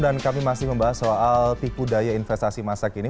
dan kami masih membahas soal tipu daya investasi masyarakat ini